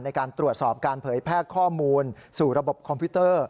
ในการตรวจสอบการเผยแพร่ข้อมูลสู่ระบบคอมพิวเตอร์